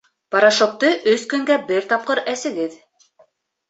Порошокты өс көнгә бер тапҡыр әсегеҙ